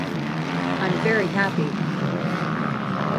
I'm very happy.